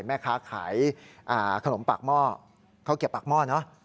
แม่ค้าขายขนมปากหม้อข้าวเกียบปากหม้อเนอะ